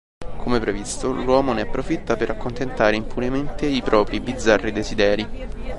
Come previsto, l'uomo ne approfitta per accontentare impunemente i propri bizzarri desideri.